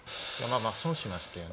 まあまあ損しましたよね。